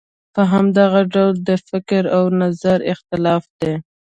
په همدغه ډول د فکر او نظر اختلاف دی.